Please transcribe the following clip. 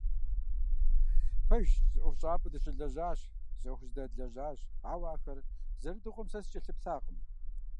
Пэжщ, зы ӀуэхущӀапӀэ дыщылэжьащ, зы Ӏуэху здэдлэжьащ, ауэ ахэр зэрыдыгъуэм сэ сыкӀэлъыплъакъым.